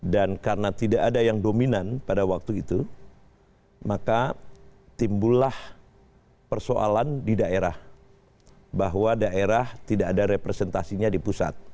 dan karena tidak ada yang dominan pada waktu itu maka timbullah persoalan di daerah bahwa daerah tidak ada representasinya di pusat